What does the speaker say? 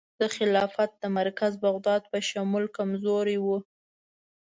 د خلافت د مرکز بغداد په شمول کمزوري وه.